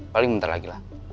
paling bentar lagi lah